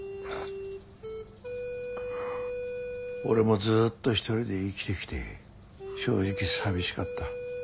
俺もずっと一人で生きてきて正直寂しかった。